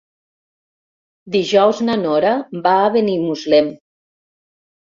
Dijous na Nora va a Benimuslem.